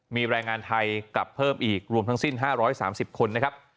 มีแรงงานไทยกลับเพิ่มอีกรวมทั้งสิ้นห้าร้อยสามสิบคนนะครับ